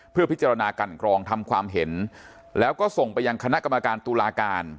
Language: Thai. เพื่อพิจารณากันกรองทำความเห็นแล้วก็ส่งไปยังคณะกรรมการตุลาการ